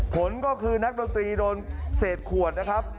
ผลก็คือนักดนตรีโดนเศษขวดนะครับ